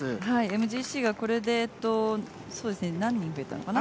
ＭＧＣがこれで何人増えたのかな。